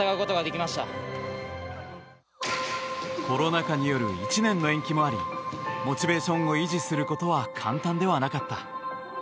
コロナ禍による１年の延期もありモチベーションを維持することは簡単ではなかった。